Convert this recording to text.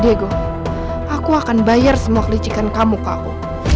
diego aku akan bayar semua kelicikan kamu ke aku